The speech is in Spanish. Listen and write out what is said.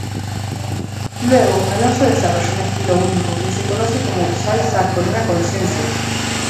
Luego Alonso desarrolló un estilo único que se conoce como "salsa con una conciencia".